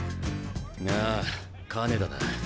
ああ金田だ。